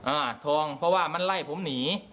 อ่าทองเพราะว่ามันไล่ผมหนี